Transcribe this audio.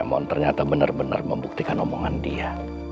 bu ramon ternyata benar benar membuktikan omongan dia